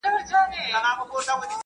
د بمونو راکټونو له هیبته ,